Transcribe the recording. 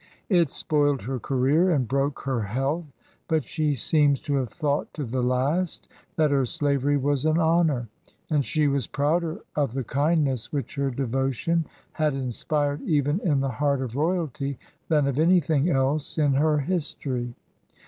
It spoiled her career, and broke her health, but she seems to have thought to the last that her slavery was an honor; and she was prouder of the kindness which her devotion had inspired even in the heart of royalty, than of anything else in her his tory.